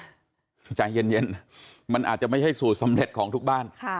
ใจเย็นมันอาจจะไม่ใช่สูตรสำเร็จของทุกบ้าน